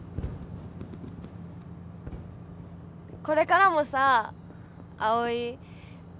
これからもさ葵。